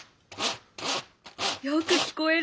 よく聞こえる！